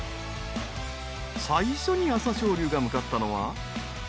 ［最初に朝青龍が向かったのは］